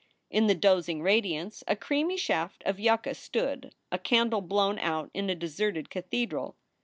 In the dozing radiance a creamy shaft of yucca stood, a candle blown out in a deserted cathedral.